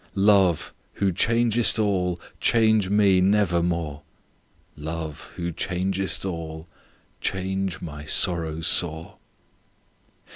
Love, who changest all, change me nevermore! "Love, who changest all, change my sorrow sore!"